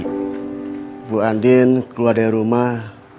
ibu andin keluar dari rumah